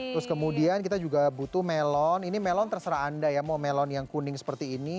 terus kemudian kita juga butuh melon ini melon terserah anda ya mau melon yang kuning seperti ini